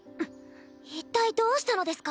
一体どうしたのですか？